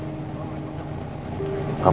papa selalu mendoakan kamu